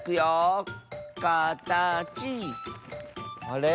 あれ？